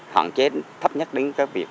hoàn chết thấp nhất đến cái việc